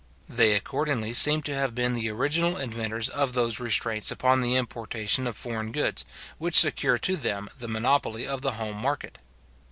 They accordingly seem to have been the original inventors of those restraints upon the importation of foreign goods, which secure to them the monopoly of the home market.